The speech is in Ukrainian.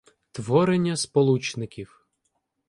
Творення сполучників